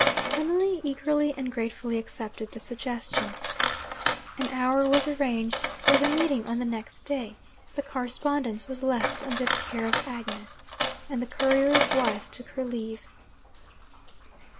Emily eagerly and gratefully accepted the suggestion. An hour was arranged for the meeting on the next day; the correspondence was left under the care of Agnes; and the courier's wife took her leave.